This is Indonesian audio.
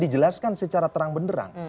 dijelaskan secara terang benderang